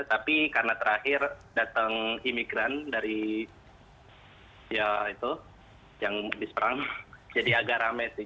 tapi karena terakhir datang imigran dari ya itu yang habis perang jadi agak rame sih